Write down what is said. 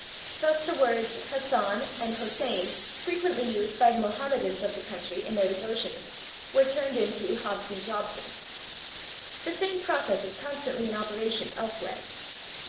Thus the words /Hassan/ and /Hosein/, frequently used by the Mohammedans of the country in their devotions, were turned into /Hobson Jobson/. The same process is constantly in operation elsewhere.